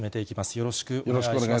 よろしくお願いします。